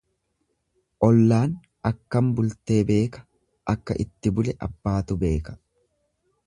Ollaan akkam bultee beeka, akka itti bule abbaatu beeka.